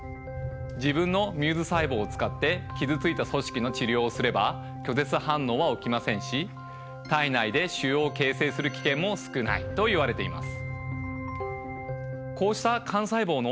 自分のミューズ細胞を使って傷ついた組織の治療をすれば拒絶反応は起きませんし体内で腫瘍を形成する危険も少ないといわれています。